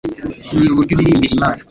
Nkunda uburyo uririmbira Imana,